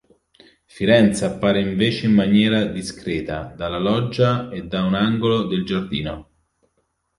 Firenze appare invece in maniera "discreta", dalla loggia e da un angolo del giardino.